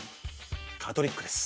カトリックです。